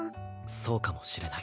そうかもしれない。